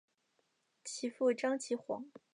其父张其锽。